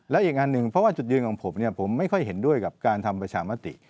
และอีกอันหนึ่งเพราะว่าจุดยืนของผมเนี่ยผมไม่ค่อยเห็นด้วยกับการทำประชามติ